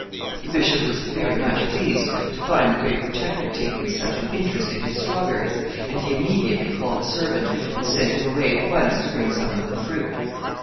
The bishop was very much pleased to find the great Protector taking such an interest in his strawberries, and he immediately called a servant and sent him away at once to bring some of the fruit.